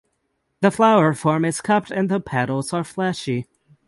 The flower form is cupped and the petals are fleshy.